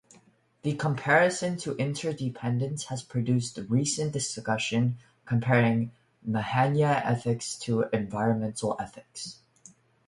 The comparison to interdependence has produced recent discussion comparing Mahayana ethics to environmental ethics.